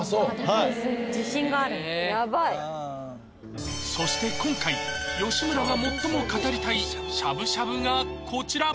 はいヤバいそして今回吉村が最も語りたいしゃぶしゃぶがこちら